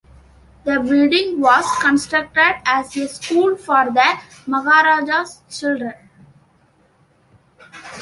The building was constructed as a school for the Maharaja's children.